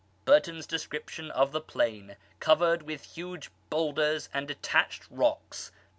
Burtons description of the plain covered with huge boulders and detached rocks (p.